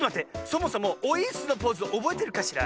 そもそも「オイーッス！」のポーズおぼえてるかしら？